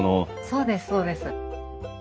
そうですそうです。